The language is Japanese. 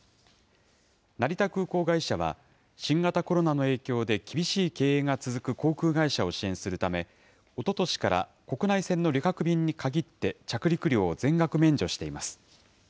成田空港会社は、新型コロナの影響で、厳しい経営が続く航空会社を支援するため、おととしから国内線の旅客便に限って、着陸料を全額免除しています。